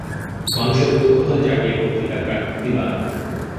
মানুষের কৌতূহল জাগিয়ে পত্রিকার কাটতি বাড়ান।